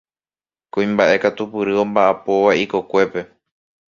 Kuimbaʼe katupyry ombaʼapóva ikokuépe.